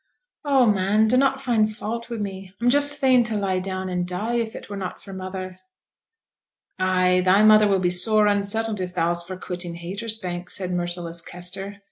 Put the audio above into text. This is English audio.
'Oh, man, dunnot find fault wi' me! I'm just fain to lie down and die, if it were not for mother.' 'Ay! thy mother will be sore unsettled if thou's for quitting Haytersbank,' said merciless Kester.